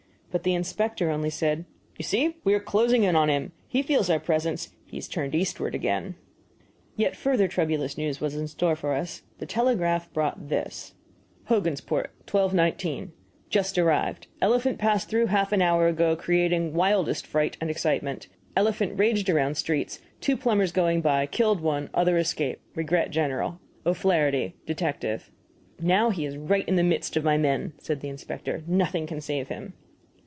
But the inspector only said: "You see we are closing in on him. He feels our presence; he has turned eastward again." Yet further troublous news was in store for us. The telegraph brought this: HOGANSPORT, 12.19. Just arrived. Elephant passed through half an hour ago, creating wildest fright and excitement. Elephant raged around streets; two plumbers going by, killed one other escaped. Regret general. O'FLAHERTY, Detective. "Now he is right in the midst of my men," said the inspector. "Nothing can save him."